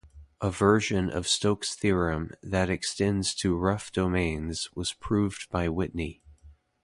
A version of Stokes' theorem that extends to rough domains was proved by Whitney.